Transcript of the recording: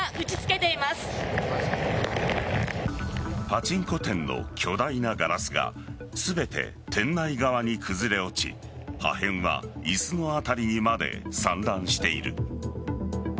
パチンコ店の巨大なガラスが全て店内側に崩れ落ち破片は椅子の辺りにまで散乱している。